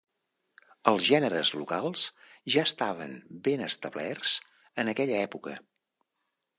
Els gèneres locals ja estaven ben establerts en aquella època.